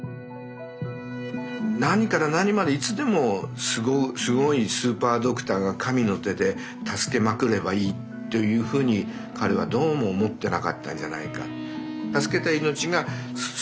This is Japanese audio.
何から何までいつでもすごいスーパードクターが神の手で助けまくればいいというふうに彼はどうも思ってなかったんじゃないか。